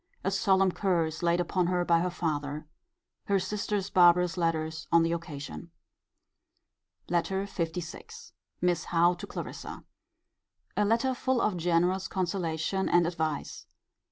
A solemn curse laid upon her by her father. Her sister's barbarous letters on the occasion. LETTER LVI. Miss Howe to Clarissa. A letter full of generous consolation and advice.